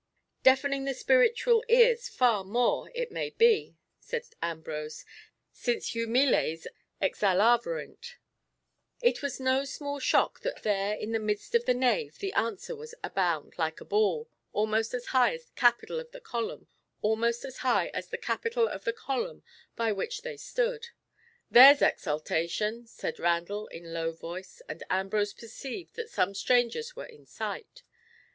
"Deafening the spiritual ears far more, it may be," said Ambrose, "since humiles exallaverint." It was no small shock that there, in the midst of the nave, the answer was a bound, like a ball, almost as high as the capital of the column by which they stood. "There's exaltation!" said Randall in a low voice, and Ambrose perceived that some strangers were in sight.